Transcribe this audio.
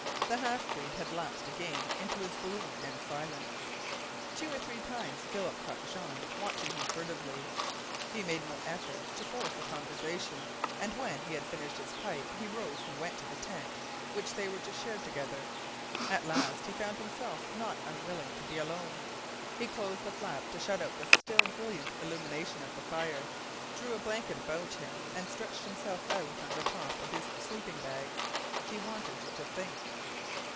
The half breed had lapsed again into his gloom and silence. Two or three times Philip caught Jean watching him furtively. He made no effort to force a conversation, and when he had finished his pipe he rose and went to the tent which they were to share together. At last he found himself not unwilling to be alone. He closed the flap to shut out the still brilliant illumination of the fire, drew a blanket about him, and stretched himself out on the top of his sleeping bag. He wanted to think.